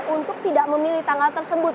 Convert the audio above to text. untuk tidak memilih tanggal tersebut